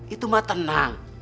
itu mah tenang